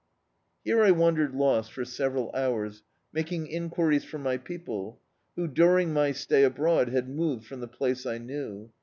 Here I wandered lost for several hours, making enquiries for my people, who, during my stay abroad, had moved from the place I knew.